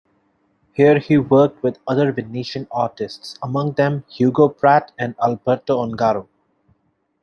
Here he worked with other Venetian artists, among them Hugo Pratt and Alberto Ongaro.